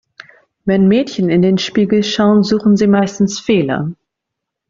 Wenn Mädchen in den Spiegel schauen, suchen sie meistens Fehler.